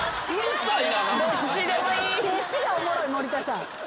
静止画おもろい森田さん。